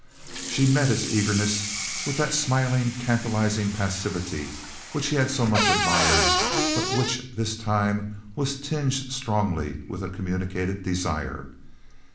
She met his eagerness with that smiling, tantalizing passivity which he had so much admired but which this time was tinged strongly with a communicated desire.